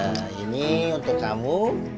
nah ini untuk kamu